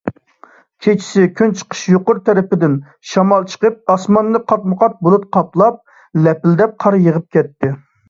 كېچىسى كۈنچىقىش يۇقىرى تەرەپتىن شامال چىقىپ، ئاسماننى قاتمۇقات بۇلۇت قاپلاپ، لەپىلدەپ قار يېغىپ كەتتى.